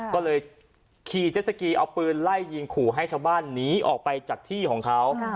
ก็เลยขี่เจสสกีเอาปืนไล่ยิงขู่ให้ชาวบ้านหนีออกไปจากที่ของเขา